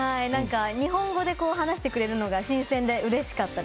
日本語で話してくれるのが新鮮でした。